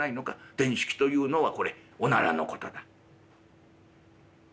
転失気というのはこれおならのことだ」。